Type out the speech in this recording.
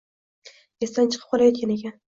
Esdan chiqib qolayotgan ekan